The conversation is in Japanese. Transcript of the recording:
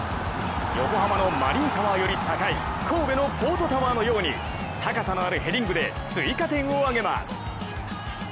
横浜のマリンタワーより高い神戸のポートタワーのように高さのあるヘディングで追加点を挙げます。